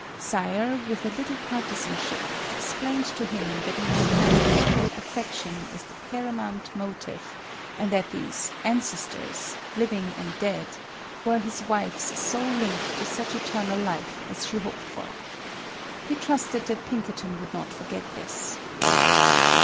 Sayre, with a little partizanship, explained to him that in Japan filial affection is the paramount motive, and that these "ances tors," living and dead, were his wife's sole 8 MADAME BUTTERFLY link to such eternal life as she hoped for. He trusted that Pinkerton would not forget this.